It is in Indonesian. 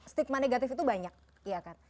stigma negatif itu banyak iya kan